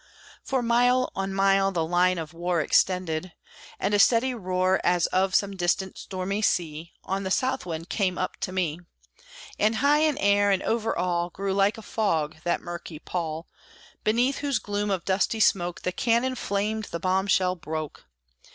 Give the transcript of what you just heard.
For mile on mile the line of war Extended; and a steady roar, As of some distant stormy sea, On the south wind came up to me. And high in air, and over all, Grew, like a fog, that murky pall, Beneath whose gloom of dusty smoke The cannon flamed, the bombshell broke.